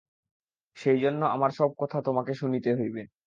সেইজন্য আমার সব কথা তোমাকে শুনিতে হইবে।